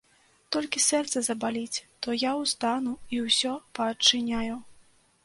Толькі сэрца забаліць, то я ўстану і ўсё паадчыняю.